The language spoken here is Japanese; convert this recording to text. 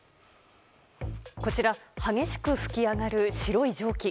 こちら激しく噴き上がる白い蒸気。